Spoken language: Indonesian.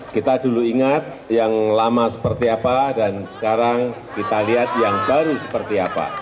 kita dulu ingat yang lama seperti apa dan sekarang kita lihat yang baru seperti apa